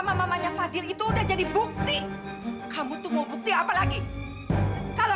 sampai jumpa di video selanjutnya